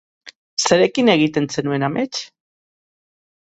Zerekin egiten zenuen amets?